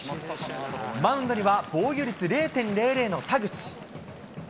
マウンドには防御率０．００の田口。